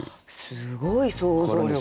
すごい想像力。